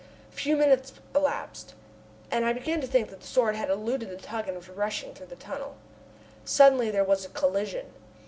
A few minutes elapsed, and I began to think that the Sword had eluded the tug and was rushing through the tunnel. Suddenly there was a collision.